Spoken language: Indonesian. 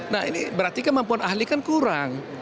nah ini berarti kemampuan ahli kan kurang